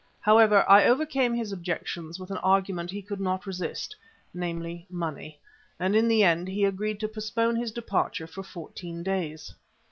However, I overcame his objections with an argument he could not resist namely, money, and in the end he agreed to postpone his departure for fourteen days.